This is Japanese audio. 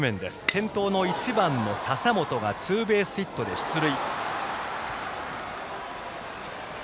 先頭の１番の笹本がツーベースヒットで出塁。